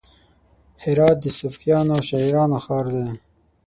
هرات د صوفیانو او شاعرانو ښار دی.